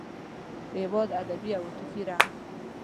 د هېواد ادبي او عاطفي رنګ.